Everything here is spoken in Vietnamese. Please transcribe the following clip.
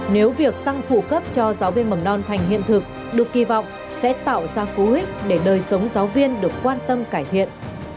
nếu việc tăng phụ cấp cho giáo viên mầm non thành hiện thực được kỳ vọng sẽ tạo ra cú hích để đời sống giáo viên được quan tâm cải thiện